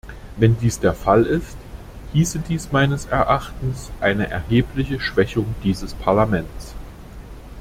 Wenn dies der Fall ist, hieße dies meines Erachtens eine erhebliche Schwächung dieses Parlaments.